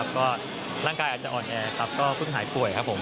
ก็ร่างกายอาจจะอ่อนแอครับก็เพิ่งหายป่วยครับผม